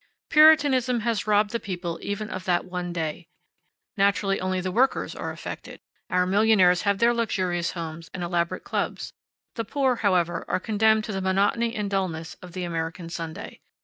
Puritanism has robbed the people even of that one day. Naturally, only the workers are affected: our millionaires have their luxurious homes and elaborate clubs. The poor, however, are condemned to the monotony and dullness of the American Sunday.